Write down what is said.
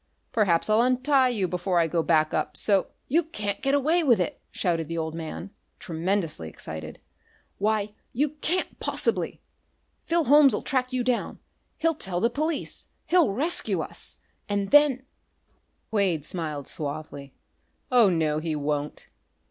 Perhaps I'll untie you before I go back up, so " "You can't get away with it!" shouted the old man, tremendously excited. "Why, you can't, possibly! Philip Holmes'll track you down he'll tell the police he'll rescue us! And then " Quade smiled suavely. "Oh, no, he won't.